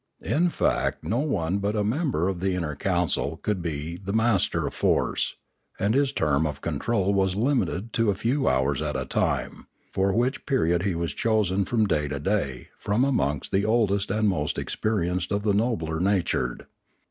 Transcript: In fact no one but a member of the inner council could be the master of force, and his term of control was limited to a few hours at a time, for which period he was chosen from day to day from amongst the oldest and most ex perienced of the nobler natured.